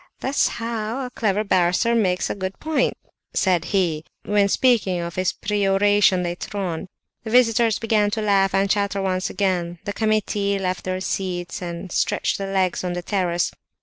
"That's how a clever barrister makes a good point!" said he, when speaking of his peroration later on. The visitors began to laugh and chatter once again; the committee left their seats, and stretched their legs on the terrace.